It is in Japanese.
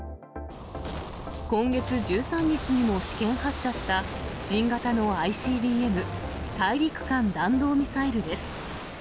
今月１３日にも試験発射した新型のＩＣＢＭ・大陸間弾道ミサイルです。